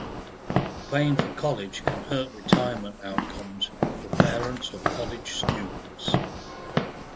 Paying for college can hurt retirement outcomes for parents of college students.